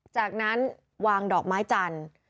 จากนั้นวางดอกไม้จันทร์